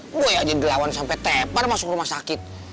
boy aja ngelawan sampai tepar masuk rumah sakit